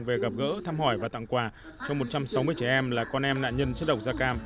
về gặp gỡ thăm hỏi và tặng quà cho một trăm sáu mươi trẻ em là con em nạn nhân chất độc da cam